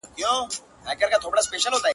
چوروندک سو، پاچهي سوه، فرمانونه،